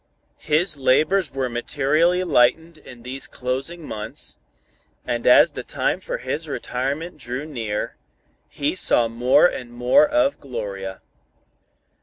His labors were materially lightened in these closing months, and as the time for his retirement drew near, he saw more and more of Gloria.